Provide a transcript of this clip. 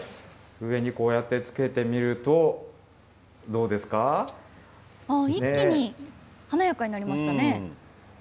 上にこうやってつけてみると、ど一気に華やかになりましたね。